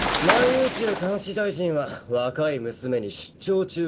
宇宙監視大臣は若い娘に出張中か？